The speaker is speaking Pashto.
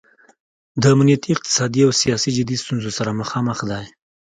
د امنیتي، اقتصادي او سیاسي جدي ستونځو سره مخامخ دی.